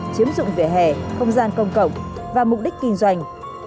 chiếm dụng vỉa hè không gian công cộng và mục đích kinh doanh